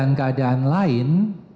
untuk menemukan penyebab kematian